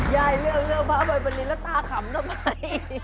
ยายเลือกภาพัยมณีแล้วตาขำทำไม